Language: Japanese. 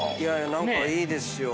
何かいいですよ。